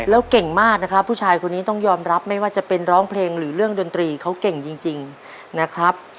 แล้วเก่งมากนะครับผู้ชายคนนี้ต้องยอมรับไม่ว่าจะเป็นร้องเพลงหรือเรื่องดนตรีเขาเก่งจริงนะครับ